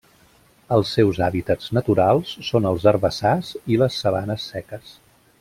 Els seus hàbitats naturals són els herbassars i les sabanes seques.